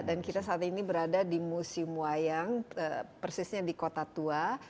dan kita saat ini berada di museum wayang persisnya di kota tua